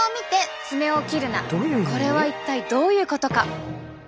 これは一体どういうことか？